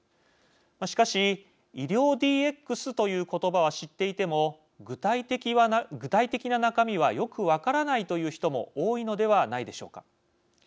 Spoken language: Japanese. しかし、医療ＤＸという言葉は知っていても具体的な中身はよく分からないという人も多いのではないでしょうか。